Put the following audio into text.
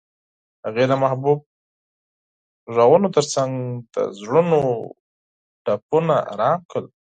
هغې د محبوب اوازونو ترڅنګ د زړونو ټپونه آرام کړل.